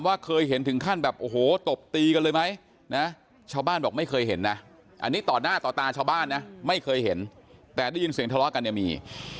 อาทิตย์ต่อตาชาวบ้านน่ะไม่เคยเห็นแต่ยืนเสียงทะเลาะกันยังมี